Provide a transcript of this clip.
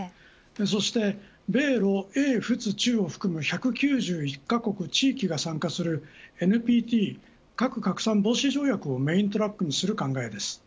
そして米ロ英仏中を含む１９１カ国と地域が参加するＮＰＴ核拡散防止条約をメイントラックにする考えです。